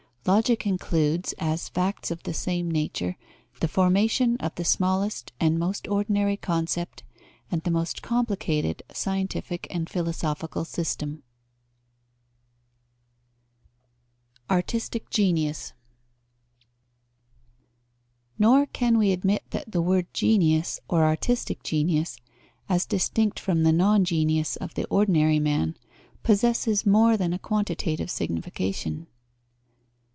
Logic includes, as facts of the same nature, the formation of the smallest and most ordinary concept and the most complicated scientific and philosophical system. Artistic genius. Nor can we admit that the word genius or artistic genius, as distinct from the non genius of the ordinary man, possesses more than a quantitative signification.